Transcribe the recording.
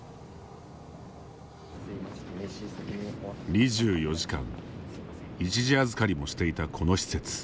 ２４時間一時預かりもしていたこの施設。